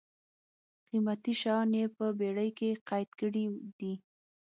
قېمتي شیان یې په بېړۍ کې قید کړي دي.